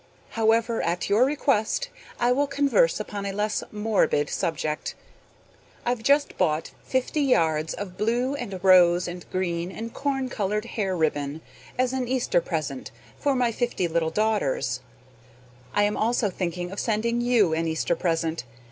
However, at your request, I will converse upon a less morbid subject. I've just bought fifty yards of blue and rose and green and corn colored hair ribbon as an Easter present for my fifty little daughters. I am also thinking of sending you an Easter present.